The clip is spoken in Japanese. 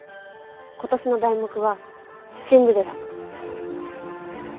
今年の題目は「シンデレラ」。